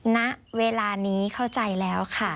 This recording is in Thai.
ณเวลานี้เข้าใจแล้วค่ะ